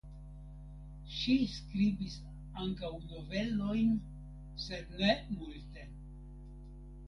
Ŝi skribis ankaŭ novelojn sed ne multe.